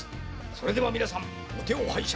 それでは皆さんお手を拝借。